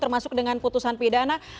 termasuk dengan putusan pidana